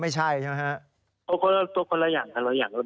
ไม่ใช่ใช่ไหม